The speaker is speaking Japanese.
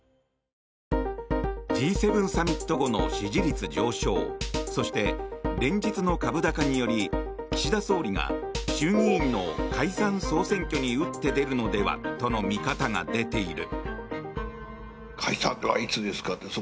Ｇ７サミット後の支持率上昇そして連日の株高により岸田総理が衆議院の解散・総選挙に打って出るのではとの見方が出ている。